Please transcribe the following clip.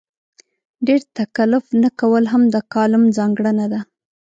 ډېر تکلف نه کول هم د کالم ځانګړنه ده.